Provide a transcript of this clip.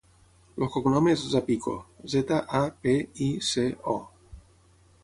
El cognom és Zapico: zeta, a, pe, i, ce, o.